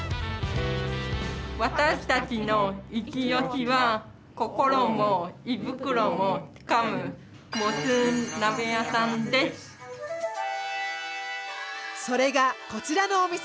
私たちのいちオシは心も胃袋もつかむそれがこちらのお店。